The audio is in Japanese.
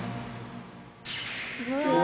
うわ！